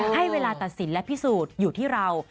ให้เวลาตัดสินและพิสูจน์อยู่ที่เรา